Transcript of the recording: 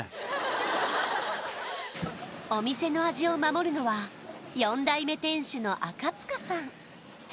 お店の味を守るのは４代目店主の赤塚さん